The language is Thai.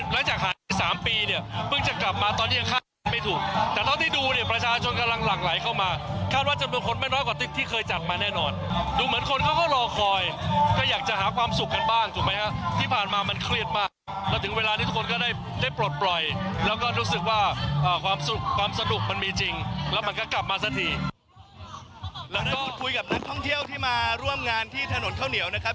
แล้วพูดพูดกับนักท่องเที่ยวที่มาร่วมงานที่ถนนข้าวเหนียวนะครับ